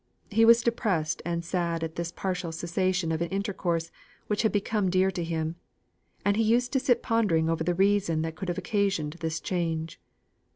He was depressed and sad at this partial cessation of an intercourse which had become dear to him; and he used to sit pondering over the reason that could have occasioned this change.